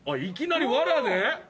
いきなりわらで？